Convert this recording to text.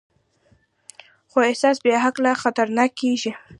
خو احساس بېعقله خطرناک کېږي.